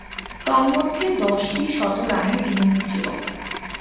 তন্মধ্যে, দশটি শতরানের ইনিংস ছিল।